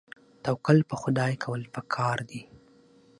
توکل په خدای کول پکار دي